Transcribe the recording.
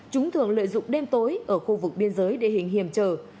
chúng thường lợi dụng đêm tối ở khu vực biên giới địa hình hiểm trở